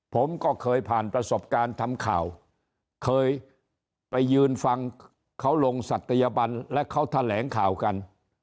ผมก็เคยผ่านประสบการณ์ทำข่าวเคยไปยืนฟังเขาลงศัตยบันและเขาแถลงข่าวกัน